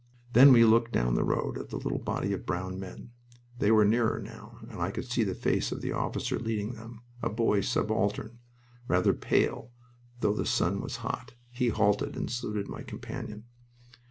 Then we looked down the road at the little body of brown men. They were nearer now, and I could see the face of the officer leading them a boy subaltern, rather pale though the sun was hot. He halted and saluted my companion.